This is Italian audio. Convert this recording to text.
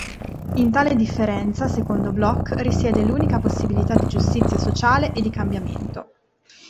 In tale differenza, secondo Bloch, risiede l'unica possibilità di giustizia sociale e di cambiamento.